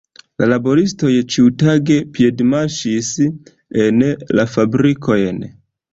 La laboristoj ĉiutage piedmarŝis en la fabrikojn.